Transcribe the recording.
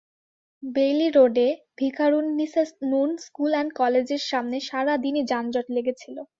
Bailey রোডে Viqarunnisa Noon school and কলেজের সামনে সারা দিনই যানজট লেগে ছিল।